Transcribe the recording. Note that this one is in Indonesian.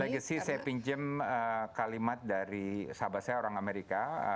legacy saya pinjem kalimat dari sahabat saya orang amerika